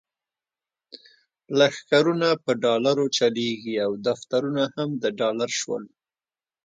لښکرونه په ډالرو چلیږي او دفترونه هم د ډالر شول.